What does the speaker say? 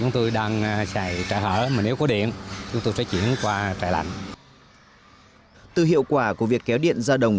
từ hiệu quả của việc kéo điện ra đồng